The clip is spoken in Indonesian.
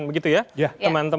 begitu ya teman teman